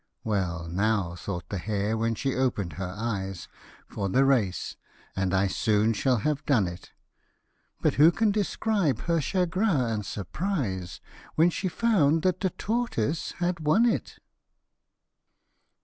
" Well now," thought the hare when she opened her eyes, " For the race, and I soon shall have done it ;" But who can describe her chagrin and surprise, When she found that the tortoise had won it